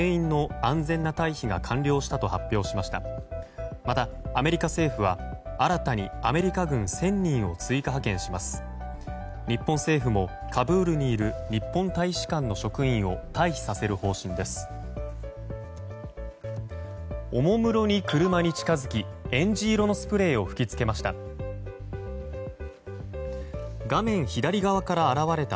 おもむろに車に近づきえんじ色のスプレーを吹き付けました。